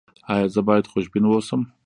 ایا زه باید خوشبین اوسم؟